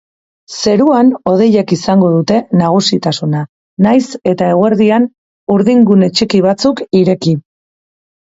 Zeruan hodeiek izango dute nagusitasuna, nahiz eta eguerdian urdingune txiki batzuk ireki.